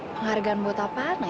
penghargaan buat apaan ini